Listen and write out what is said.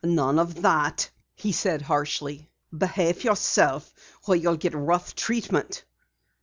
"None of that!" he said harshly. "Behave yourself or you'll get rough treatment."